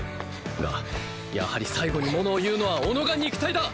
がやはり最後にものをいうのは己が肉体だ